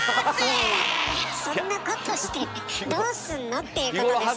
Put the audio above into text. いやいやそんなことしてどうすんの？っていうことですから。